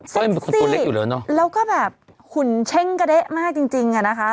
เซ็กซี่แล้วก็แบบหุ่นเช่งกระเดะมากจริงจริงอ่ะนะคะ